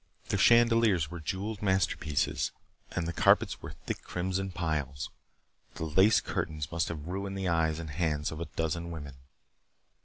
The chandeliers were jeweled masterpieces and the carpets were thick crimson piles. The lace curtains must have ruined the eyes and hands of a dozen women.